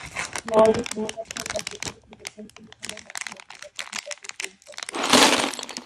নওয়াজেশ মুহম্মদ খান তাঁর প্রতিনিধি হোসেন কুলী খানের মাধ্যমে ঢাকার শাসনকার্য পরিচালনা করতেন।